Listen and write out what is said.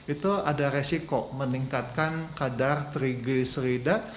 itu ada resiko meningkatkan kadar triggecerida